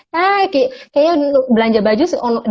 kayaknya belanja baju